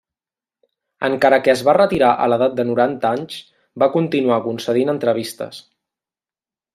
Encara que es va retirar a l'edat de noranta anys va continuar concedint entrevistes.